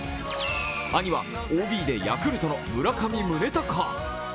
兄はＯＢでヤクルトの村上宗隆。